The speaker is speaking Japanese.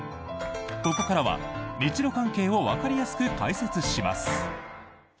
ここからは日ロ関係をわかりやすく解説します。